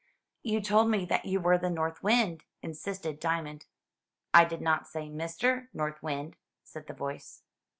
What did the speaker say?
"You told me that you were the North Wind," insisted Dia mond. "I did not say Mister North Wind," said the voice.